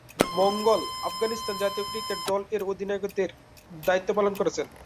মঙ্গল আফগানিস্তান জাতীয় ক্রিকেট দল এর অধিনায়কের দায়িত্ব পালন করছেন।